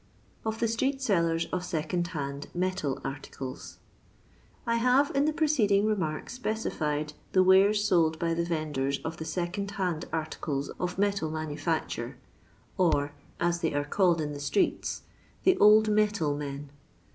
Of the Street Sellers of Second Havd Metal Artiolss. I HATE in the preceding remarks specified the wares sold by the vendors of the second hand articles of metal manufacture, or (as they are 10 LONDON LABOUR AND THE LONDON POOR. called iu the streeU) the "old metal " men.